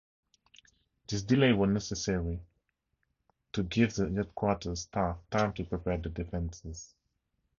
This delay was necessary to give the headquarters staff time to prepare their defences.